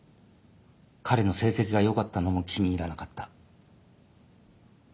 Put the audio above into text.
彼の成績が良かったのも気に入らなかった。